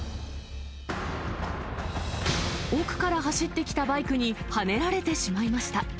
奥から走ってきたバイクにはねられてしまいました。